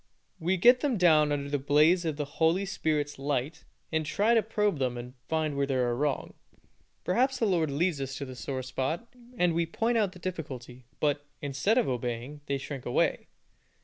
We get them down under the blaze of the Holy Spirit's light, and try to probe them and find where they are wrong. Perhaps the Lord leads us to the sore spot, and we point out the difficulty, but, instead of obeying, they shrink away.